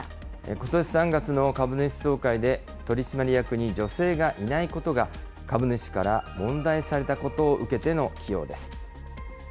ことし３月の株主総会で、取締役に女性がいないことが、株主から問題視されたことを受けての起用です。